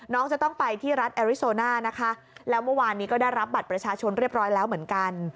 น้องจะต้องไปที่รัฐแอริโซน่านะคะแล้วเมื่อวานนี้ก็ได้รับบัตรประชาชนเรียบร้อยแล้วเหมือนกัน